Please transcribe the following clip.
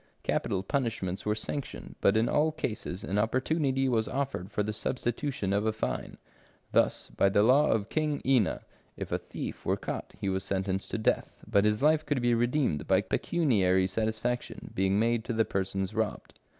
Capital punishments were sanctioned, but in all cases an opportunity was offered for the substitution of a fine. Thus, by the law of King Ina, if a thief were caught, he was sentenced to death, but his life could be redeemed by pecuniary satisfaction being made to the persons robbed.